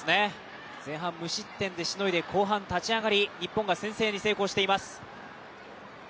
前半無失点でしのいで後半立ち上がり日本が先制に成功しています。